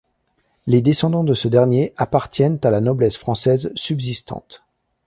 Les descendants de ce dernier appartiennent à la noblesse française subsistante.